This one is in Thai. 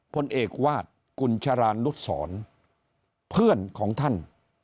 พลเอกวาดกุญชรานุสรเพื่อนของท่าน